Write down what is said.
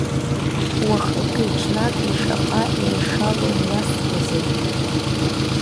Уахыки-ҽнаки шаҟа ешалон иасуазеи?